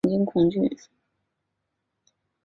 左右之人都很震惊恐惧。